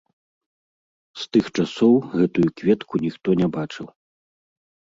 З тых часоў гэтую кветку ніхто не бачыў.